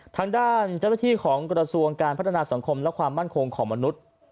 ทางด้านเจ้าหน้าที่ของกระทรวงการพัฒนาสังคมและความมั่นคงของมนุษย์